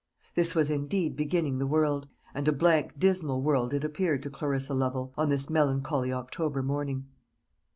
This was indeed beginning the world; and a blank dismal world it appeared to Clarissa Lovel, on this melancholy October morning.